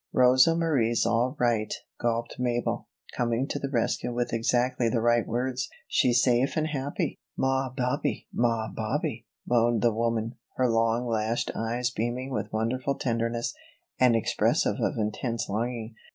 "Rosa Marie's all right," gulped Mabel, coming to the rescue with exactly the right words. "She's safe and happy." "Ma babee, ma babee," moaned the woman, her long lashed eyes beaming with wonderful tenderness, and expressive of intense longing.